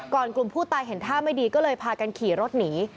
กลุ่มผู้ตายเห็นท่าไม่ดีก็เลยพากันขี่รถหนี